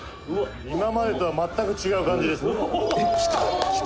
「今までとは全く違う感じです」